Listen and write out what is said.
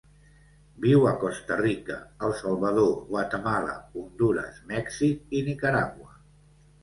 Viu a Costa Rica, El Salvador, Guatemala, Hondures, Mèxic i Nicaragua.